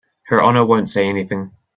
Her Honor won't say anything.